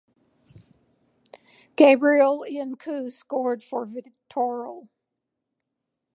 Gabriel Iancu scored for Viitorul.